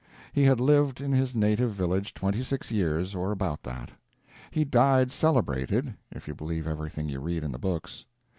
He had lived in his native village twenty six years, or about that. He died celebrated (if you believe everything you read in the books).